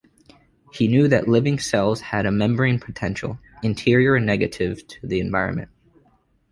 He knew that living cells had a membrane potential; interior negative to the environment.